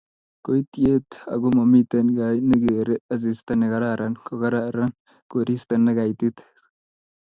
Koitityet ago mamiten guy negere, asista negararan ,kogararan koristo negaitit